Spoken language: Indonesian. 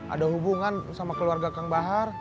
ada hubungan sama keluarga kang bahar